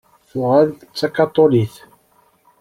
Tuɣal d takaṭulit.